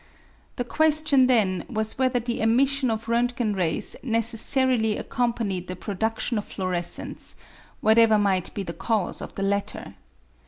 The question then was whether the emission of Rontgen rays necessarily accompanied the produdtion of fluorescence, whatever might be the cause of the latter.